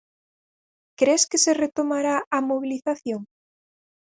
Cres que se retomará a mobilización?